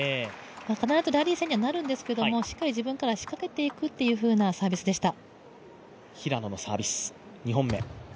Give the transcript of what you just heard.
必ずラリー戦にはなるんですけれども、しっかり自分から仕掛けていくというふうなサービスでした。